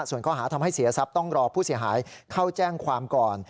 ส่วนข้อหาทำให้เสียทรัพย์ต้องรอผู้เสียหายเข้าแจ้งความก่อน